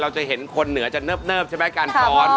เราจะเห็นคนเหนือจะเนิบใช่ไหมการพอร์ส